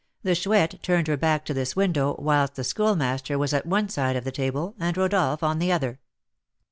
The Chouette turned her back to this window, whilst the Schoolmaster was at one side of the table, and Rodolph on the other.